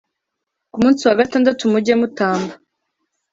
Ku munsi wa gatandatu mujye mutamba